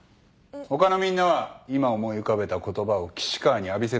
他のみんなは今思い浮かべた言葉を岸川に浴びせてほしい。